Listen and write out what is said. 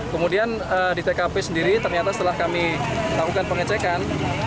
kemudian di tkp sendiri ternyata setelah kami lakukan pengecekan